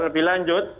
lebih lanjut pak